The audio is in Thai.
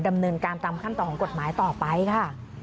ดำเนินการตามขั้นตอนของกฎหมายต่อไปค่ะ